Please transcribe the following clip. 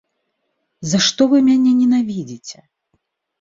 За што вы мяне ненавідзіце?